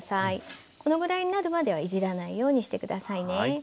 このぐらいになるまではいじらないようにして下さいね。